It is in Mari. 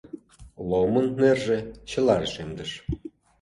Ломын нерже чыла рашемдыш.